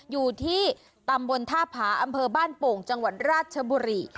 อยู่ที่ตำบลท่าผาอำเภอบ้านโป่งจังหวัดราชบุรี